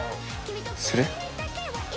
◆する？